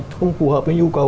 không phù hợp với nhu cầu